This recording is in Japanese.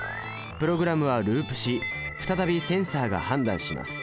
プログラムはループし再びセンサが判断します。